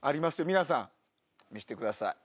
皆さん見せてください。